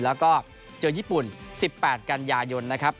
แล้วก็เจอญี่ปุ่น๑๘กันยายนนะครับ